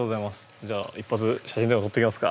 じゃあ一発写真でも撮っときますか。